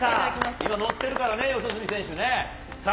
今、のってるからね、四十住さん。